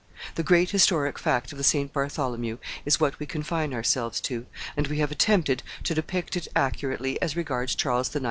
The great historic fact of the St. Bartholomew is what we confine ourselves to; and we have attempted to depict it accurately as regards Charles IX.